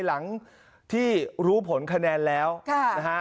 หลังที่รู้ผลคะแนนแล้วนะฮะ